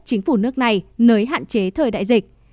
chính phủ nước này nới hạn chế thời đại dịch